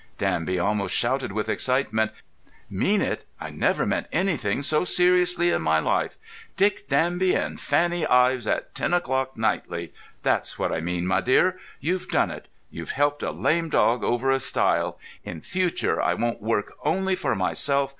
Danby almost shouted with excitement. "Mean it? I never meant anything so seriously in my life. Dick Danby and Fanny Ives at ten o'clock nightly. That's what I mean, my dear. You've done it. You've helped a lame dog over a stile. In future, I won't work only for myself.